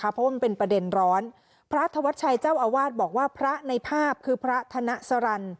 เพราะว่ามันเป็นประเด็นร้อนพระธวัชชัยเจ้าอาวาสบอกว่าพระในภาพคือพระธนสรรค